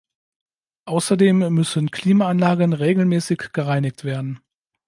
Außerdem müssen Klimaanlagen regelmäßig gereinigt werden.